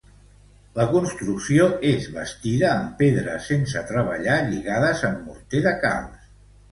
La construcció és bastida en pedres sense treballar lligades amb morter de calç.